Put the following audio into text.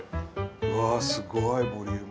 うわすごいボリューム。